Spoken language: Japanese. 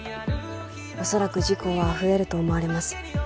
恐らく事故は増えると思われます